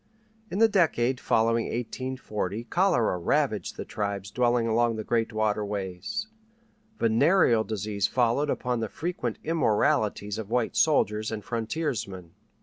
In the decade following 1840 cholera ravaged the tribes dwelling along the great waterways. Venereal disease followed upon the frequent immoralities of white soldiers and frontiersmen.